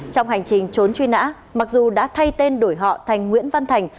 trong hành trình trốn truy nã mặc dù đã thay tên đổi họ thành nguyễn văn thành